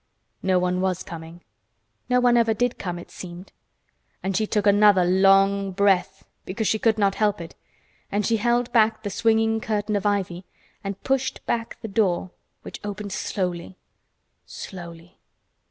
No one was coming. No one ever did come, it seemed, and she took another long breath, because she could not help it, and she held back the swinging curtain of ivy and pushed back the door which opened slowly—slowly.